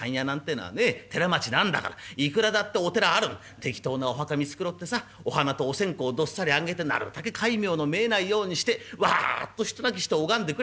適当なお墓見繕ってさお花とお線香どっさりあげてなるたけ戒名の見えないようにしてわっと一泣きして拝んでくりゃ